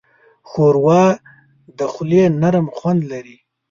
ښوروا د خولې نرم خوند لري.